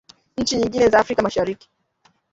nchi nyingine za Afrika Mashariki